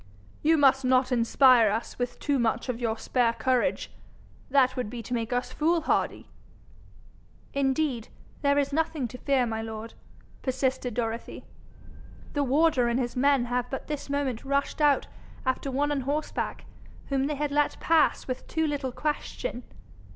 'You must not inspire us with too much of your spare courage. That would be to make us fool hardy.' 'Indeed, there is nothing to fear, my lord,' persisted Dorothy. 'The warder and his men have but this moment rushed out after one on horseback, whom they had let pass with too little question.